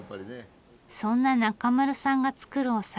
そんな中丸さんが造るお酒。